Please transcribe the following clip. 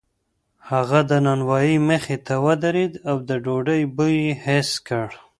هغه د نانوایۍ مخې ته ودرېد او د ډوډۍ بوی یې حس کړ.